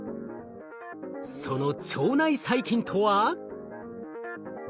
その腸内細菌とは。